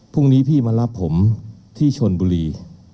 พรุ่งนี้พี่มารับผมที่ชนบุรี